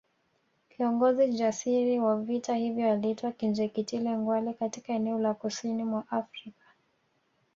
Kiongozi jasiri wa vita hivyo aliitwa Kinjekitile Ngwale katika eneo la kusini mwa Afrika